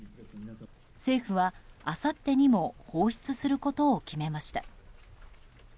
政府はあさってにも放出することを決めました。